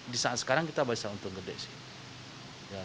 di saat sekarang kita baca untuk gede sih